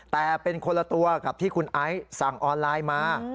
แต่เป็นคนละตัวกับที่คุณไอซ์สั่งออนไลน์มา